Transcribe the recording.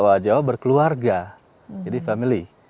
bahwa jawa berkeluarga jadi family